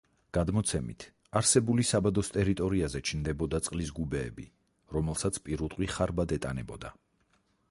გადმოცემით, არსებული საბადოს ტერიტორიაზე ჩნდებოდა წყლის გუბეები, რომელსაც პირუტყვი ხარბად ეტანებოდა.